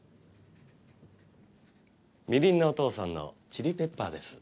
ミリンのお父さんのチリペッパーです。